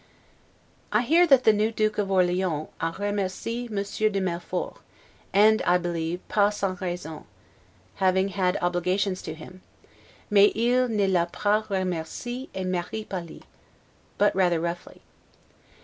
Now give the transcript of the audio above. I hear that the new Duke of Orleans 'a remercie Monsieur de Melfort, and I believe, 'pas sans raison', having had obligations to him; 'mais il ne l'a pas remercie en mari poli', but rather roughly.